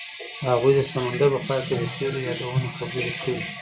هغوی د سمندر په خوا کې تیرو یادونو خبرې کړې.